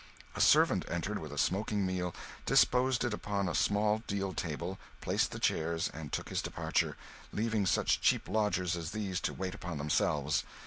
A servant entered with a smoking meal, disposed it upon a small deal table, placed the chairs, and took his departure, leaving such cheap lodgers as these to wait upon themselves.